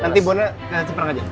nanti bono nanti seberang aja